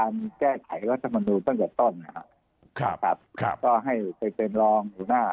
รัฐมนุษย์ตั้งแต่ต้นนะครับครับครับก็ให้เป็นรองหัวหน้า